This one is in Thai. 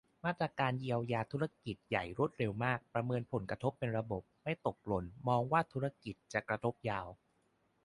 มาตรการเยียวยาธุรกิจใหญ่รวดเร็วมาก ประเมินผลกระทบเป็นระบบ ไม่ตกหล่น มองว่าธุรกิจจะกระทบยาว